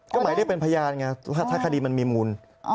ก็หมายเรียกเป็นพยานไงถ้าคดีมันมีมูล